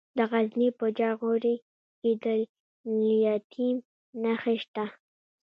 د غزني په جاغوري کې د لیتیم نښې شته.